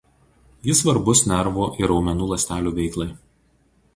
Jis svarbus nervų ir raumenų ląstelių veiklai.